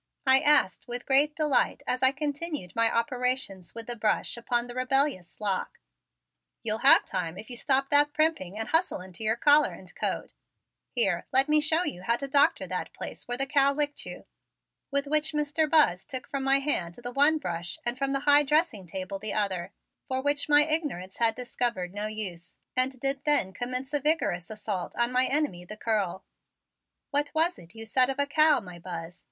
I asked with great delight as I continued my operations with the brush upon the rebellious lock. "You'll have time if you stop that primping and hustle into your collar and coat. Here, let me show you how to doctor that place where the cow licked you. Why don't you take both brushes to it? Like this!" With which Mr. Buzz took from my hand the one brush and from the high dressing table the other, for which my ignorance had discovered no use, and did then commence a vigorous assault on my enemy the curl. "What was it you said of a cow, my Buzz?"